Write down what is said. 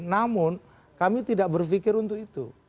namun kami tidak berpikir untuk itu